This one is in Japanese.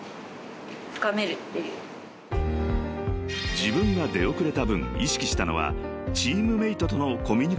［自分が出遅れた分意識したのはチームメートとの］